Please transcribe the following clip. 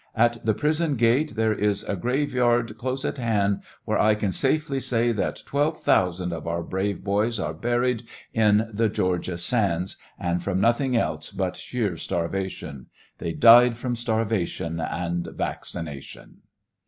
At the prison gate there is a graveyard close at hand, where I can safely say that 12,000 of our brave boys are buried in the Georgia sands, and from nothing else but sheer starvation. They died from starvation and vaccination.